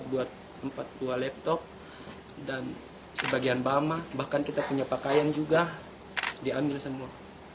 buat empat buah laptop dan sebagian bama bahkan kita punya pakaian juga diambil semua